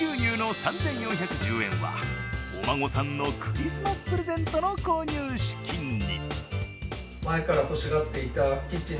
３４１０円はお孫さんのクリスマスプレゼントの購入資金に。